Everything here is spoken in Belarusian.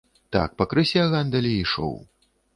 Так пакрысе гандаль і ішоў.